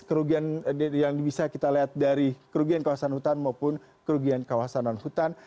kerugian yang bisa kita lihat dari kerugian kawasan hutan maupun kerugian kawasan non hutan